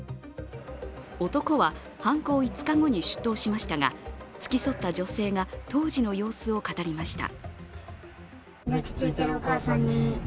男は犯行５日後に出頭しましたが付き添った女性が当時の様子を語りました。